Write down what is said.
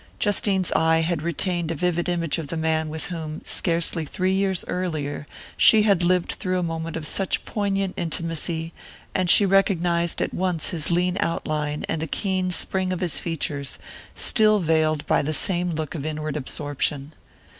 Justine's eye had retained a vivid image of the man with whom, scarcely three years earlier, she had lived through a moment of such poignant intimacy, and she recognized at once his lean outline, and the keen spring of his features, still veiled by the same look of inward absorption.